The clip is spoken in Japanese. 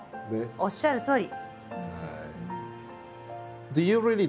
おっしゃるとおり。